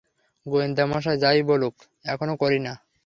গোয়েন্দা মশাই যাই বলুক, এখনও করি না!